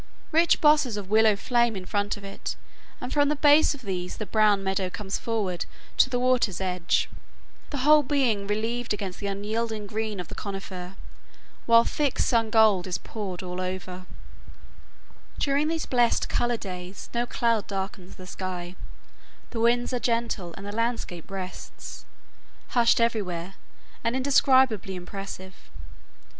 Rich bosses of willow flame in front of it, and from the base of these the brown meadow comes forward to the water's edge, the whole being relieved against the unyielding green of the coniferae, while thick sun gold is poured over all. During these blessed color days no cloud darkens the sky, the winds are gentle, and the landscape rests, hushed everywhere, and indescribably impressive.